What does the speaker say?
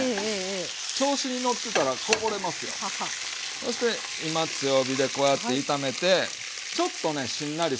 そして今強火でこうやって炒めてちょっとねしんなりするぐらいですわ。